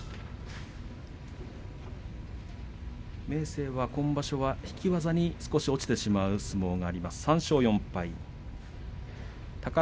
明生は今場所引き技に落ちてしまう相撲があります。